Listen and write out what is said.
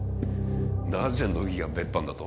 なぜ乃木が別班だと？